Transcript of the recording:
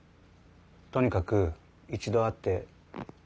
とにかく一度会って。